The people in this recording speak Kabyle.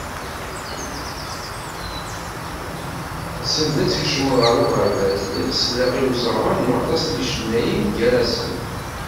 Send ad kecmeɣ ɣer uɣerbaz, lliɣ selleɣ i uẓawan n waṭas n yicennayen, gar-asen.